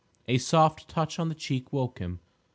A soft touch on the cheek woke him.